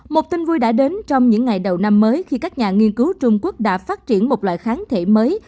một tin vui đã đến trong những ngày đầu năm mới khi các nhà nghiên cứu trung quốc đã phát triển một loại kháng thể mới